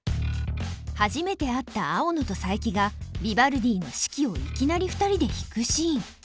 初めて会った青野と佐伯がビバルディの「四季」をいきなり２人で弾くシーン。